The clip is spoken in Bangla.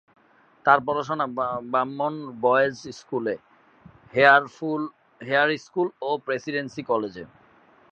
তার পড়াশোনা Brahmo boys school, Hare school ও প্রেসিডেন্সি কলেজে।